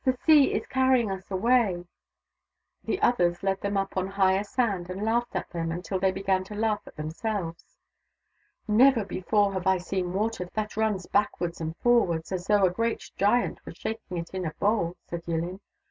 " The Sea is carrying us away !" The others led them up on higher sand and laughed at them until they began to laugh at themselves. " Never before have I seen water that runs back wards and forwards, as though a great giant were shaking it in a bowl," said Yillin.